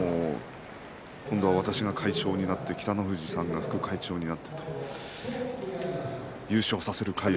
今度は私が会長になって北の富士さんが副会長になって優勝させる会を。